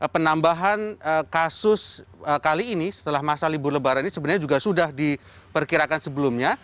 penambahan kasus kali ini setelah masa libur lebaran ini sebenarnya juga sudah diperkirakan sebelumnya